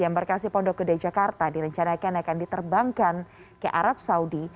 embarkasi pondok gede jakarta direncanakan akan diterbangkan ke arab saudi